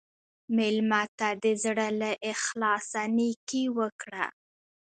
مېلمه ته د زړه له اخلاصه نیکي وکړه.